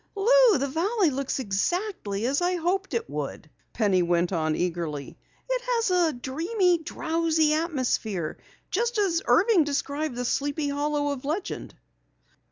"Lou, the valley looks exactly as I hoped it would!" Penny went on eagerly. "It has a dreamy, drowsy atmosphere, just as Irving described the Sleepy Hollow of legend!"